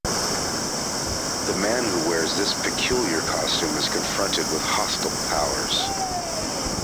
The man who wears this peculiar costume is confronted with hostile powers.